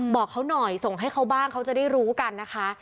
บอกเขาหน่อยส่งให้เขาบ้างเขาจะได้รู้กันนะคะ